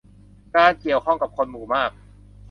การเกี่ยวข้องกับคนหมู่มาก